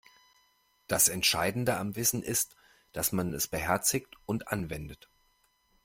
Das Entscheidende am Wissen ist, dass man es beherzigt und anwendet.